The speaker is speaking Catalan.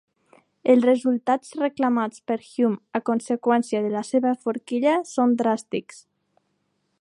Els resultats reclamats per Hume a conseqüència de la seva forquilla són dràstics.